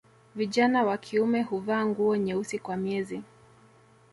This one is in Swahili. Vijana wa kiume huvaa nguo nyeusi kwa miezi